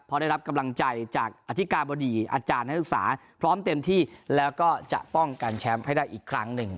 เพราะได้รับกำลังใจจากอธิกาบดีอาจารย์นักศึกษาพร้อมเต็มที่แล้วก็จะป้องกันแชมป์ให้ได้อีกครั้งหนึ่ง